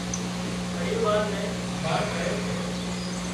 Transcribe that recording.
پريوار نِي همڀاۯ ڪري سي